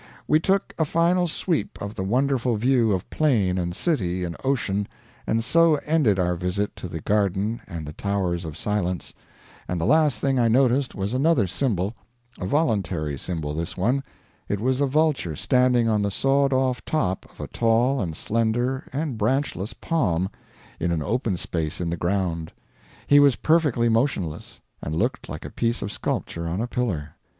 We took a final sweep of the wonderful view of plain and city and ocean, and so ended our visit to the garden and the Towers of Silence; and the last thing I noticed was another symbol a voluntary symbol this one; it was a vulture standing on the sawed off top of a tall and slender and branchless palm in an open space in the ground; he was perfectly motionless, and looked like a piece of sculpture on a pillar.